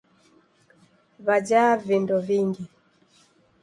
Wajaa vindo vingi!.